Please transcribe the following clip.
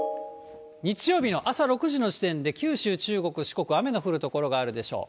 日曜日の朝６時の時点で、九州、中国、四国、雨の降る所があるでしょう。